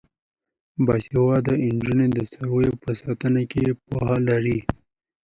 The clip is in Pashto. باسواده نجونې د څارویو په ساتنه کې پوهه لري.